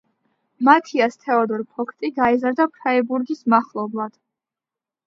მათიას თეოდორ ფოგტი გაიზარდა ფრაიბურგის მახლობლად.